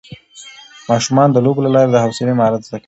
ماشومان د لوبو له لارې د حوصلې مهارت زده کوي